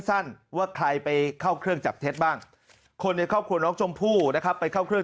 สั้นว่าใครไปเข้าเครื่องจับเท็จบ้างคนในครอบครัวน้องชมพู่นะครับไปเข้าเครื่อง